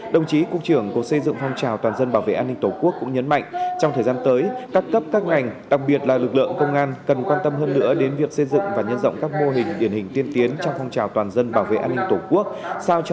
đồng chí cục trưởng cục xây dựng phong trào toàn dân bảo vệ an ninh tổ quốc cũng nhấn mạnh trong thời gian tới các cấp các ngành đặc biệt là lực lượng công an cần quan tâm hơn nữa đến việc xây dựng và nhân rộng các mô hình điển hình tiên tiến trong phong trào toàn dân bảo vệ an ninh tổ quốc